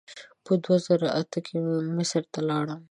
په دوه زره اته کې مصر ته لاړم.